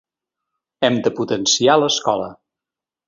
Hem de potenciar l’escola.